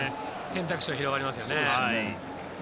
選択肢が広がりますね。